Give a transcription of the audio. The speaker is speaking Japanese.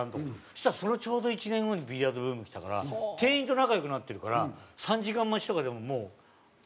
そしたらそのちょうど１年後にビリヤードブームきたから店員と仲良くなってるから３時間待ちとかでももう。